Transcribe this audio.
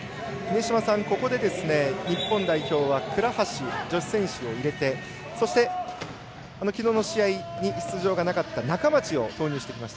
ここで日本代表は倉橋、女子選手を入れてそして、きのうの試合に出場がなかった中町を投入してきました。